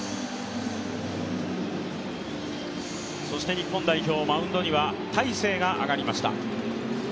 日本代表、マウンドには大勢が上がりました。